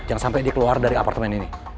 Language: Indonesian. jangan sampai dikeluar dari apartemen ini